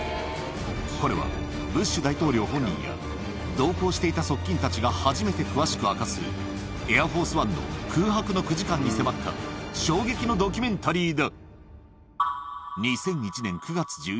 これはブッシュ大統領本人や、同行していた側近たちが初めて詳しく明かす、エアフォースワンの空白の９時間に迫った、衝撃のドキュメンタリーだ。